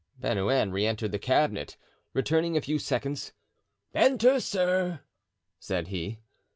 Bernouin re entered the cabinet, returning in a few seconds. "Enter, sir," said he.